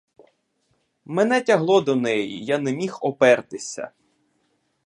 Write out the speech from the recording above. Мене тягло до неї, я не міг опертися.